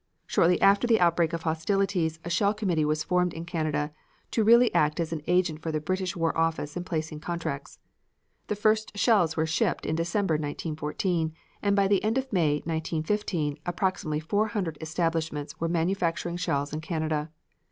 Shortly after the outbreak of hostilities a shell committee was formed in Canada to really act as an agent for the British war office in placing contracts. The first shells were shipped in December, 1914, and by the end of May, 1915, approximately 400 establishments were manufacturing shells in Canada.